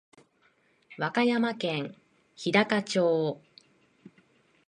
和歌山県日高町